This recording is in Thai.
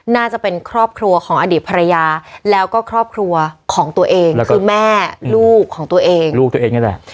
น่าจะเป็นครอบครัวของอดีตภรรยาแล้วก็ครอบครัวของตัวเองคือแม่ลูกของตัวเองลูกตัวเองนี่แหละ